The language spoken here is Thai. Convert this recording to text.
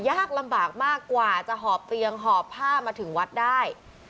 ยากลำบากมากกว่าจะหอบเตียงหอบผ้ามาถึงวัดได้